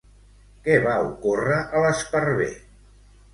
Què va ocórrer a l'Esparver?